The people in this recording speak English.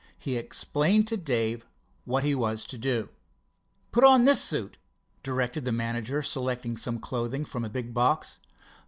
He explained to Dave what he was to do. "Put on this suit," directed the manager, selecting some clothing from a big box.